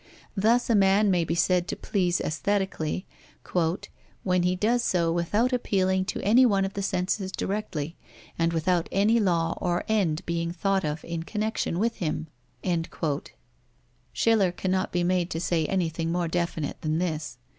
Thus a man may be said to please aesthetically, "when he does so without appealing to any one of the senses directly, and without any law or end being thought of in connection with him." Schiller cannot be made to say anything more definite than this.